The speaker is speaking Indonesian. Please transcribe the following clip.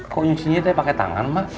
kok nyuncinya deh pakai tangan mak